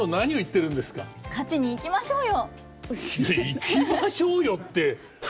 いや「行きましょうよ」って。